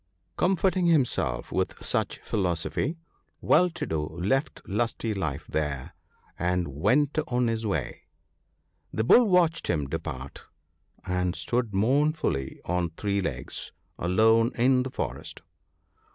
Comforting himself with such philosophy, Well to do left Lusty life there, and went on his way. The Bull watched him depart, and stood mournfully on three legs, alone in the forest.